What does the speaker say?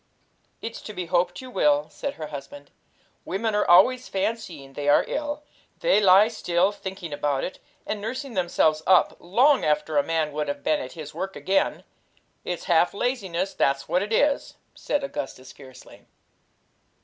'It's to be hoped you will,' said her husband. 'Women are always fancying they are ill. They lie still thinking about it, and nursing themselves up, long after a man would have been at his work again. It's half laziness, that's what it is!' said Augustus fiercely.